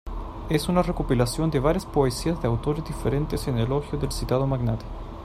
Es una recopilación de varias poesías de autores diferentes, en elogio del citado magnate.